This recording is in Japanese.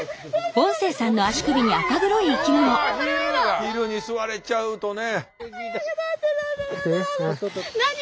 ヒルに吸われちゃうとね。